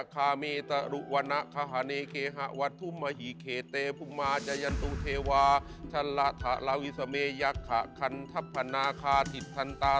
ผมก็เห็นว่าเป็นอย่างนี้นะครับ